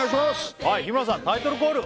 日村さんタイトルコール